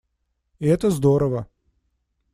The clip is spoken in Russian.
И это здорово.